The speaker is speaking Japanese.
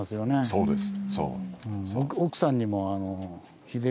そうです！